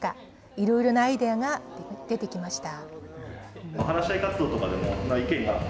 いろいろなアイデアが出てきました。